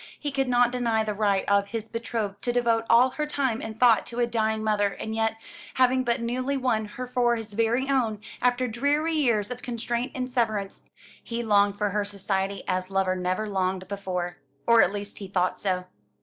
He could not deny the right of his betrothed to devote all her time and thought to a dying mother; and yet, having but newly won her for his very own, after dreary years of constraint and severance, he longed for her society as lover never longed before; or at least he thought so.